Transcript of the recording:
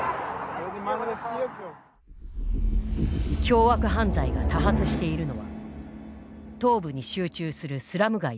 凶悪犯罪が多発しているのは東部に集中するスラム街だ。